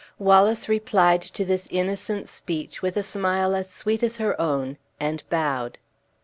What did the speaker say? Wallace replied to this innocent speech with a smile sweet as her own, and bowed.